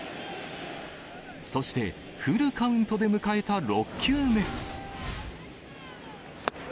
そしてフルカウントで迎えた６球目。